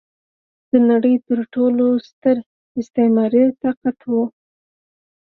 د نړۍ تر ټولو ستر استعماري طاقت و.